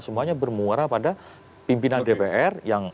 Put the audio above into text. semuanya bermuara pada pimpinan dpr